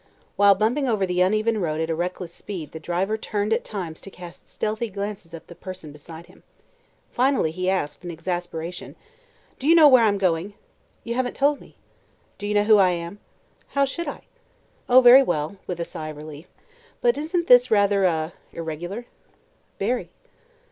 While bumping over the uneven road at a reckless speed the driver turned at times to cast stealthy glances at the person beside him. Finally he asked in exasperation: "Do you know where I'm going?" "You haven't told me." "Do you know who I am?" "How should I?" "Oh, very well," with a sigh of relief. "But isn't this rather er irregular?" "Very."